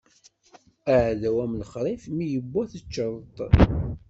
Aɛdaw am lexṛif mi iwwa teččeḍ-t.